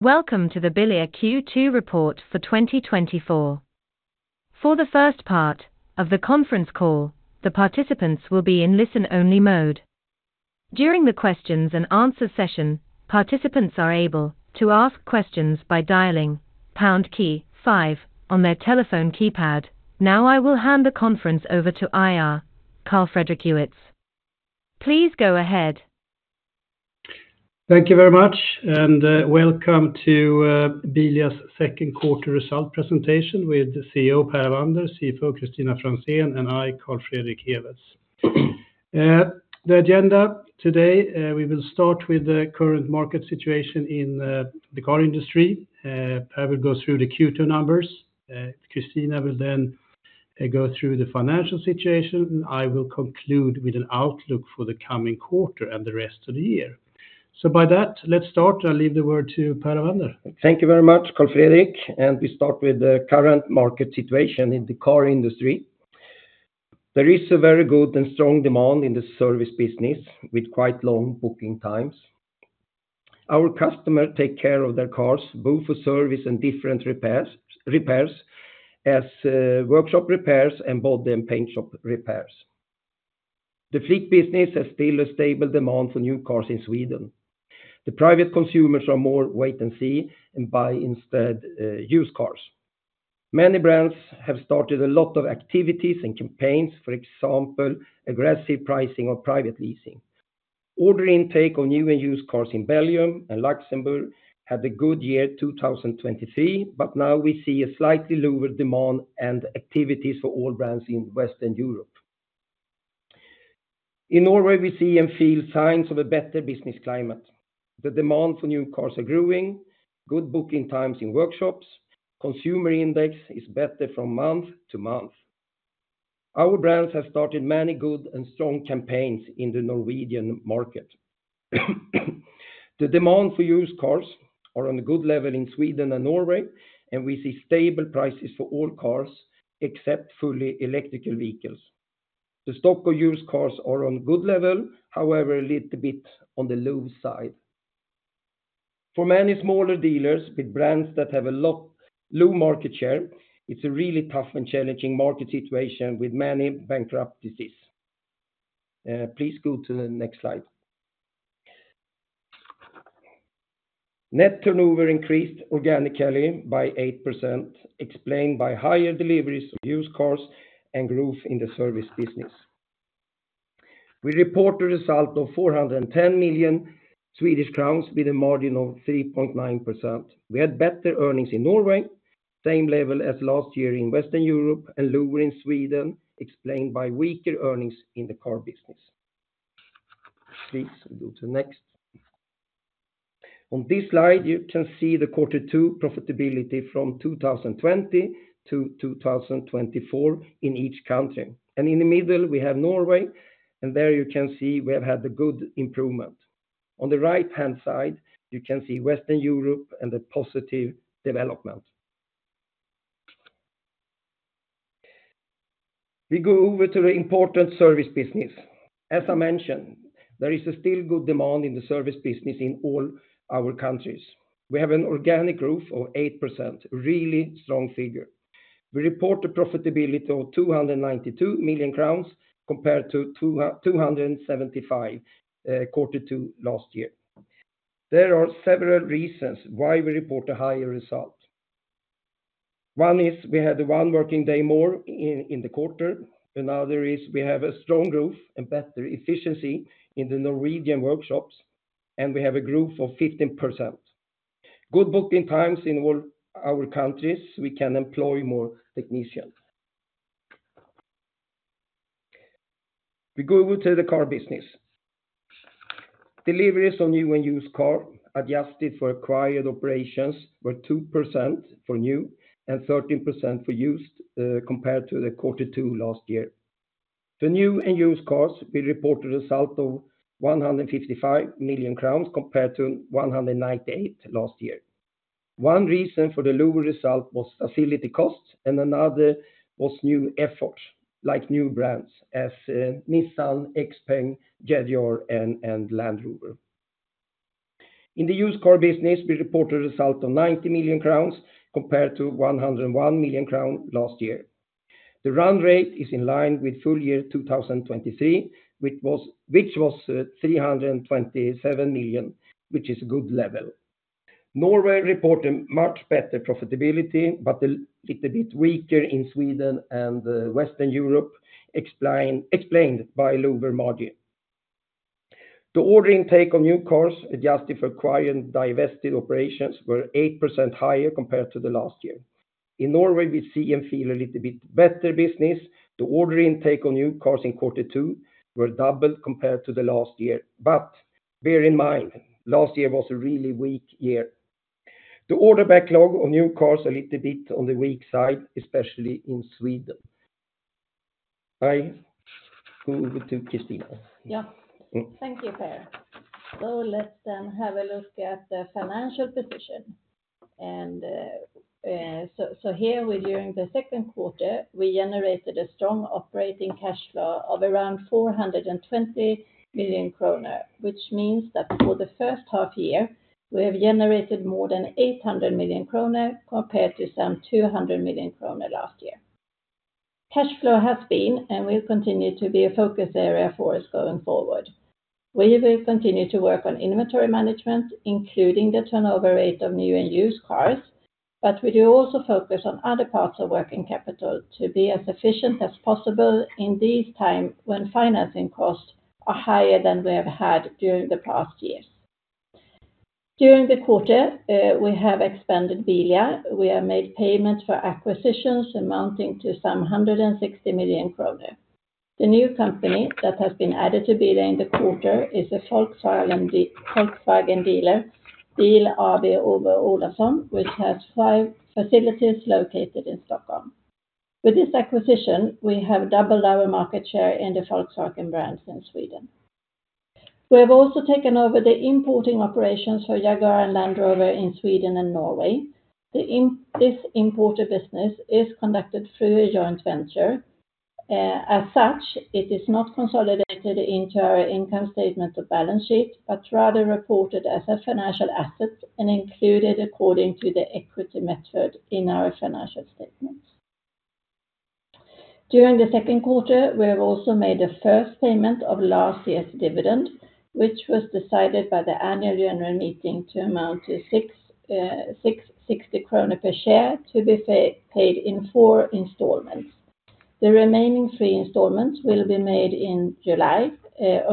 Welcome to the Bilia Q2 Report for 2024. For the first part of the conference call, the participants will be in listen-only mode. During the questions and answer session, participants are able to ask questions by dialing pound key five on their telephone keypad. Now, I will hand the conference over to IR, Carl Fredrik Ewetz. Please go ahead. Thank you very much, and welcome to Bilia's second quarter result presentation with the CEO, Per Avander, CFO, Kristina Franzén, and I, Carl Fredrik Ewetz. The agenda today, we will start with the current market situation in the car industry. Per will go through the Q2 numbers. Kristina will then go through the financial situation, and I will conclude with an outlook for the coming quarter and the rest of the year. So by that, let's start. I'll leave the word to Per Avander. Thank you very much, Carl Fredrik, and we start with the current market situation in the car industry. There is a very good and strong demand in the service business, with quite long booking times. Our customers take care of their cars, both for service and different repairs, as workshop repairs and body and paint shop repairs. The fleet business has still a stable demand for new cars in Sweden. The private consumers are more wait and see, and buy instead, used cars. Many brands have started a lot of activities and campaigns, for example, aggressive pricing or private leasing. Order intake on new and used cars in Belgium and Luxembourg had a good year, 2023, but now we see a slightly lower demand and activities for all brands in Western Europe. In Norway, we see and feel signs of a better business climate. The demand for new cars are growing, good booking times in workshops, consumer index is better from month to month. Our brands have started many good and strong campaigns in the Norwegian market. The demand for used cars are on a good level in Sweden and Norway, and we see stable prices for all cars, except fully electrical vehicles. The stock of used cars are on good level, however, a little bit on the low side. For many smaller dealers with brands that have low market share, it's a really tough and challenging market situation with many bankruptcies. Please go to the next slide. Net turnover increased organically by 8%, explained by higher deliveries of used cars and growth in the service business. We report a result of 410 million Swedish crowns, with a margin of 3.9%. We had better earnings in Norway, same level as last year in Western Europe, and lower in Sweden, explained by weaker earnings in the car business. Please go to the next. On this slide, you can see the quarter two profitability from 2020 to 2024 in each country. And in the middle, we have Norway, and there you can see we have had a good improvement. On the right-hand side, you can see Western Europe and the positive development. We go over to the important service business. As I mentioned, there is a still good demand in the service business in all our countries. We have an organic growth of 8%, really strong figure. We report a profitability of 292 million crowns, compared to 275 million, quarter two last year. There are several reasons why we report a higher result. One is we had one working day more in the quarter, another is we have a strong growth and better efficiency in the Norwegian workshops, and we have a growth of 15%. Good booking times in all our countries, we can employ more technicians. We go over to the car business. Deliveries on new and used car, adjusted for acquired operations, were 2% for new and 13% for used, compared to quarter two last year. The new and used cars, we report a result of 155 million crowns compared to 198 million last year. One reason for the lower result was facility costs, and another was new efforts, like new brands as Nissan, XPENG, Jaguar, and Land Rover. In the used car business, we reported a result of 90 million crowns, compared to 101 million crowns last year. The run rate is in line with full year 2023, which was three hundred and twenty-seven million, which is a good level. Norway reported much better profitability, but a little bit weaker in Sweden and Western Europe, explained by lower margin. The order intake on new cars, adjusted for acquired divested operations, were 8% higher compared to the last year. In Norway, we see and feel a little bit better business. The order intake on new cars in quarter two were doubled compared to the last year. But bear in mind, last year was a really weak year. The order backlog on new cars a little bit on the weak side, especially in Sweden. I go over to Kristina Franzén. Yeah. Thank you, Per. So let's then have a look at the financial position.... And so here we're during the second quarter, we generated a strong operating cash flow of around 420 million kronor, which means that for the first half year, we have generated more than 800 million kronor, compared to some 200 million kronor last year. Cash flow has been, and will continue to be, a focus area for us going forward. We will continue to work on inventory management, including the turnover rate of new and used cars, but we do also focus on other parts of working capital to be as efficient as possible in these times, when financing costs are higher than we have had during the past years. During the quarter, we have expanded Bilia. We have made payments for acquisitions amounting to some 160 million kronor. The new company that has been added to Bilia in the quarter is a Volkswagen dealer, Bil AB Ove Olofsson, which has five facilities located in Stockholm. With this acquisition, we have doubled our market share in the Volkswagen brands in Sweden. We have also taken over the importing operations for Jaguar and Land Rover in Sweden and Norway. This importer business is conducted through a joint venture. As such, it is not consolidated into our income statement or balance sheet, but rather reported as a financial asset and included according to the equity method in our financial statements. During the second quarter, we have also made a first payment of last year's dividend, which was decided by the Annual General Meeting to amount to 6.60 kronor per share, to be paid in four installments. The remaining three installments will be made in July,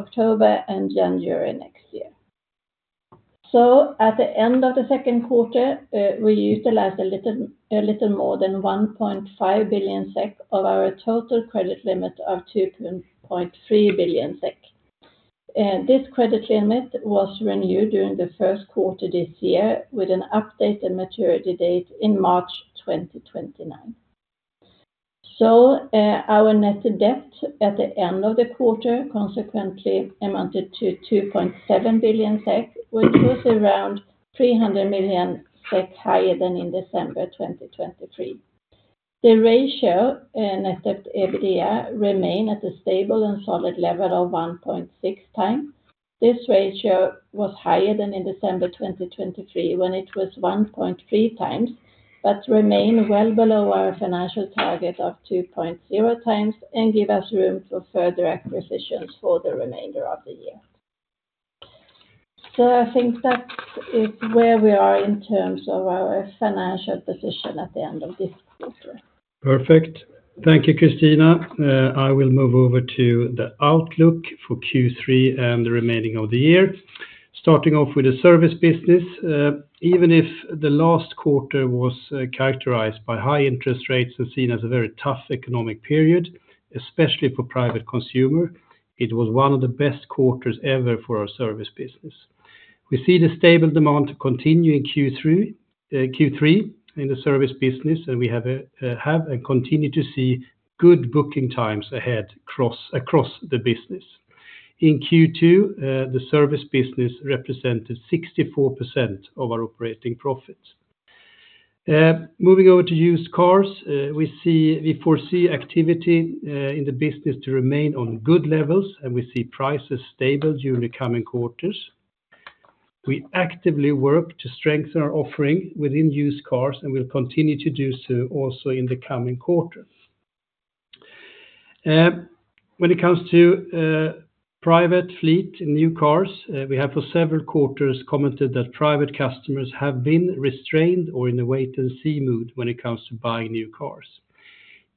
October, and January next year. So at the end of the second quarter, we utilized a little, a little more than 1.5 billion SEK of our total credit limit of 2.3 billion SEK. This credit limit was renewed during the first quarter this year, with an updated maturity date in March 2029. So, our net debt at the end of the quarter consequently amounted to 2.7 billion SEK, which was around 300 million SEK higher than in December 2023. The ratio, net debt/EBITDA, remain at a stable and solid level of 1.6 times. This ratio was higher than in December 2023, when it was 1.3 times, but remain well below our financial target of 2.0 times and give us room for further acquisitions for the remainder of the year. So I think that is where we are in terms of our financial position at the end of this quarter. Perfect. Thank you, Kristina. I will move over to the outlook for Q3 and the remaining of the year. Starting off with the service business, even if the last quarter was characterized by high interest rates and seen as a very tough economic period, especially for private consumer, it was one of the best quarters ever for our service business. We see the stable demand continue in Q3 in the service business, and we have and continue to see good booking times ahead across the business. In Q2, the service business represented 64% of our operating profits. Moving over to used cars, we foresee activity in the business to remain on good levels, and we see prices stable during the coming quarters. We actively work to strengthen our offering within used cars, and we'll continue to do so also in the coming quarters. When it comes to private fleet and new cars, we have for several quarters commented that private customers have been restrained or in a wait-and-see mood when it comes to buying new cars.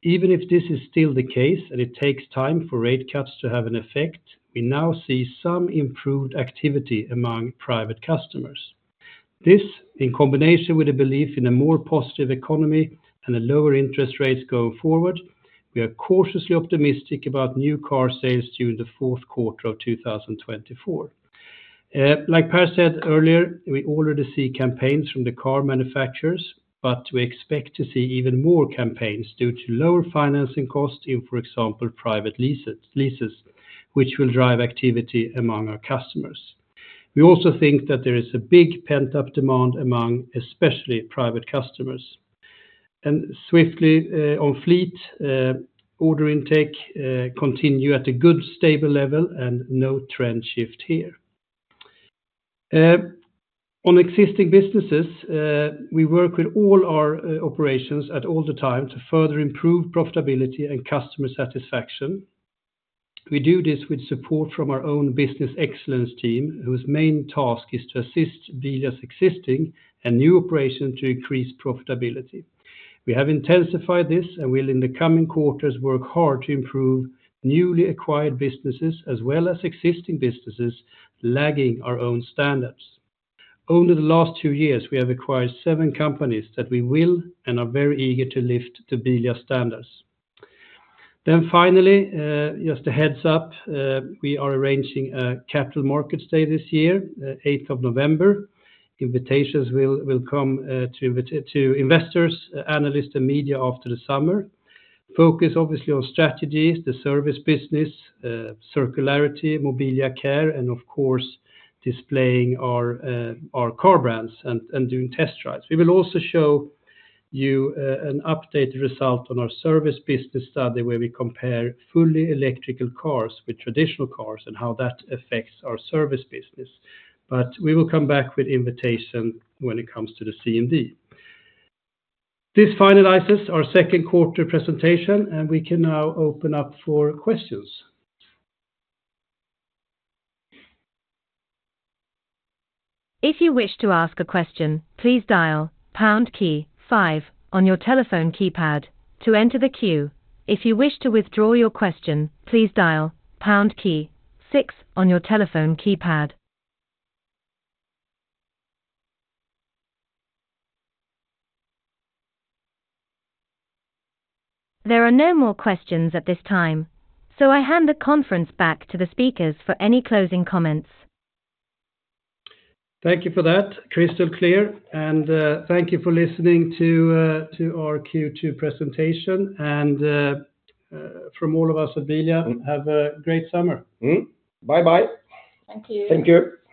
Even if this is still the case, and it takes time for rate cuts to have an effect, we now see some improved activity among private customers. This, in combination with a belief in a more positive economy and a lower interest rates going forward, we are cautiously optimistic about new car sales during the fourth quarter of 2024. Like Per said earlier, we already see campaigns from the car manufacturers, but we expect to see even more campaigns due to lower financing costs in, for example, private leases, leases, which will drive activity among our customers. We also think that there is a big pent-up demand among, especially private customers. Swiftly, on fleet order intake, continue at a good, stable level and no trend shift here. On existing businesses, we work with all our, operations at all the time to further improve profitability and customer satisfaction. We do this with support from our own business excellence team, whose main task is to assist Bilia's existing and new operations to increase profitability. We have intensified this, and we'll, in the coming quarters, work hard to improve newly acquired businesses, as well as existing businesses, lagging our own standards. Only the last 2 years, we have acquired 7 companies that we will, and are very eager to, lift to Bilia standards. Then finally, just a heads-up, we are arranging a Capital Markets Day this year, eighth of November. Invitations will come to investors, analysts, and media after the summer. Focus obviously on strategies, the service business, circularity, Mobilia Care, and of course, displaying our car brands and doing test drives. We will also show you an updated result on our service business study, where we compare fully electrical cars with traditional cars and how that affects our service business. But we will come back with invitation when it comes to the CMD. This finalizes our second quarter presentation, and we can now open up for questions. If you wish to ask a question, please dial pound key five on your telephone keypad to enter the queue. If you wish to withdraw your question, please dial pound key six on your telephone keypad. There are no more questions at this time, so I hand the conference back to the speakers for any closing comments. Thank you for that, crystal clear, and thank you for listening to our Q2 presentation. From all of us at Bilia, have a great summer. Mm-hmm. Bye-bye. Thank you. Thank you.